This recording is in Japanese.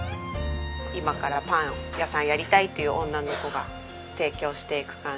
今からパン屋さんをやりたいという女の子が提供していく感じの特別ランチですね。